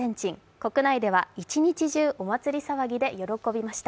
国内では一日中、お祭り騒ぎで喜びました。